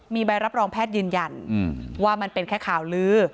มีใบรับรองแพทย์ยืนยันว่ามันเป็นแค่ข่าวลือ